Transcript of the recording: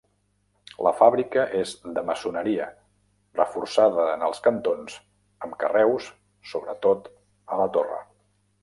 La fàbrica és de maçoneria, reforçada en els cantons amb carreus, sobretot a la torre.